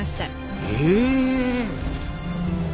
へえ。